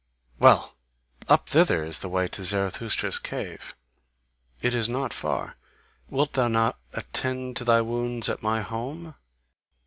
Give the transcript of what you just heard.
Well! Up thither is the way to Zarathustra's cave: it is not far, wilt thou not attend to thy wounds at my home?